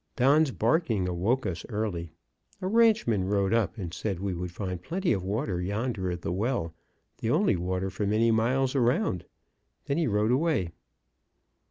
Don's barking awoke us early. A ranchman rode up and said we would find plenty of water yonder at the well, the only water for many miles around; then he rode away.